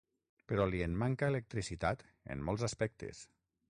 Però li en manca electricitat en molts aspectes.